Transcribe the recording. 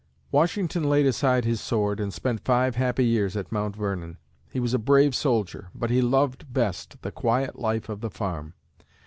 Washington laid aside his sword and spent five happy years at Mount Vernon. He was a brave soldier, but he loved best the quiet life of the farm.